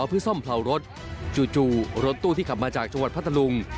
เพื่อซ่อมเผารถจู่รถตู้ที่ขับมาจากจังหวัดพัทธลุง